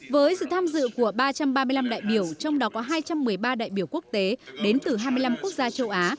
với sự tham dự của ba trăm ba mươi năm đại biểu trong đó có hai trăm một mươi ba đại biểu quốc tế đến từ hai mươi năm quốc gia châu á